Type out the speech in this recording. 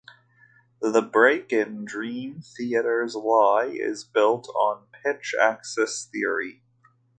The break in Dream Theater's "Lie" is built on Pitch Axis Theory.